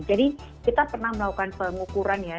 jadi kita pernah melakukan pengukuran ya